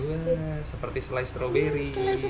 iya seperti selai stroberi